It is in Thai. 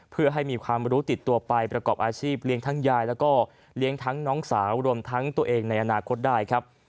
เพื่อให้มีความรู้ติดตัวไปประกอบอาชีพเลี้ยงทั้งยายแล้วก็เลี้ยงทั้งน้องสาวรวมทั้งตัวเองในอนาคตได้ครับ